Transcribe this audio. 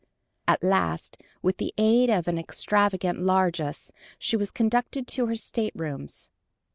At last, with the aid of an extravagant largesse, she was conducted to her staterooms.